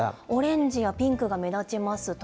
オレンジやピンクが目立ちます。